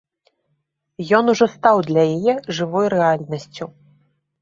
Ён ужо стаў для яе жывой рэальнасцю.